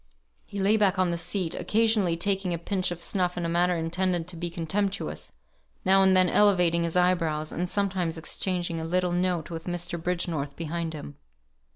He lay back on the seat, occasionally taking a pinch of snuff in a manner intended to be contemptuous; now and then elevating his eyebrows, and sometimes exchanging a little note with Mr. Bridgenorth behind him.